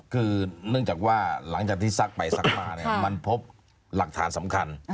คือเนื่องจากว่าหลังจากที่ซักไปซักมาเนี่ยมันพบหลักฐานสำคัญ